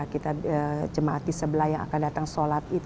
kita jemaat di sebelah yang akan datang sholat